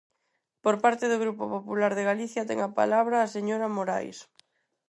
Por parte do Grupo Popular de Galicia ten a palabra a señora Morais.